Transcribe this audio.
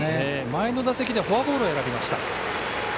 前の打席でフォアボールを選びました。